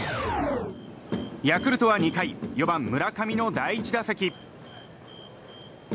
ヤクルトは２回４番、村上の第１打席。